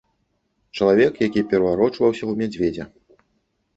Чалавек, які пераварочваўся ў мядзведзя.